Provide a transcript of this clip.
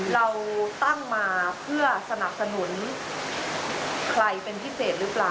เราตั้งมาเพื่อสนับสนุนใครเป็นพิเศษหรือเปล่า